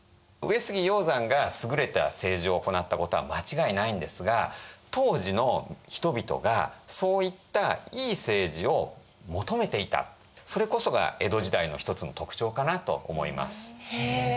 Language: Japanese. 上杉鷹山が優れた政治を行ったことは間違いないんですが当時の人々がそういったいい政治を求めていたそれこそが江戸時代の一つの特徴かなと思います。